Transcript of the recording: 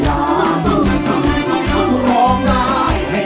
ได้